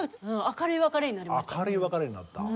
明るい別れになった。